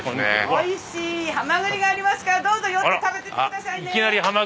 おいしいハマグリがありますからどうぞ寄って食べていってくださいね！